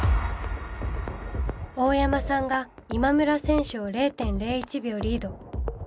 大山さんが今村選手を０．０１秒リード。